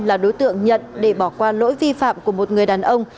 là đối tượng nhận để bỏ qua lỗi vi phạm của một người đàn ông